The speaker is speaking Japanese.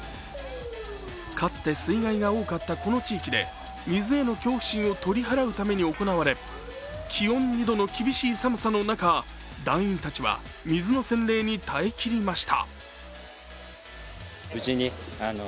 かつて水害が多かったこの地域で水への恐怖心を取り払うために行われ気温２度の厳しい寒さの中、団員たちは水の洗礼に耐えきりました。